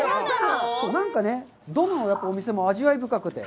なんかね、どのお店も味わい深くて。